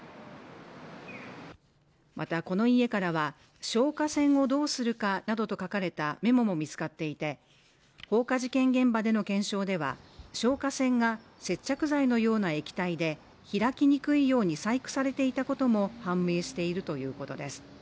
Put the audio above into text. また、この家からは消火栓をどうするかなどと書かれたメモも見つかっていて放火事件現場での検証では、消火栓が接着剤のような液体で開きにくいように細工されていたことも判明しているということです。